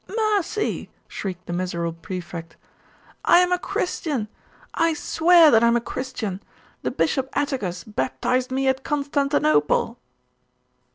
'Mercy!' shrieked the miserable Prefect 'I am a Christian! I swear that I am a Christian! the Bishop Atticus baptized me at Constantinople!